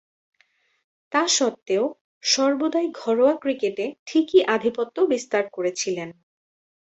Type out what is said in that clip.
তাসত্ত্বেও, সর্বদাই ঘরোয়া ক্রিকেটে ঠিকই আধিপত্য বিস্তার করেছিলেন।